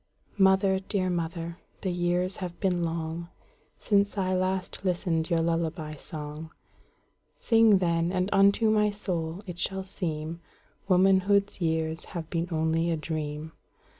Mother, dear mother, the years have been longSince I last listened your lullaby song:Sing, then, and unto my soul it shall seemWomanhood's years have been only a dream.